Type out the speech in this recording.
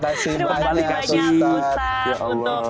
terima kasih banyak ustaz